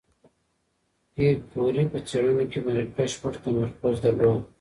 پېیر کوري په څېړنو کې بشپړ تمرکز درلود.